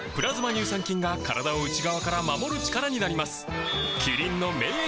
乳酸菌が体を内側から守る力になります